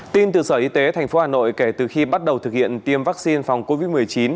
tin từ sở y tế tp hà nội kể từ khi bắt đầu thực hiện tiêm vaccine phòng covid một mươi chín